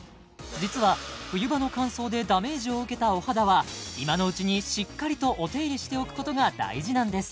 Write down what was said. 実は冬場の乾燥でダメージを受けたお肌は今のうちにしっかりとお手入れしておくことが大事なんです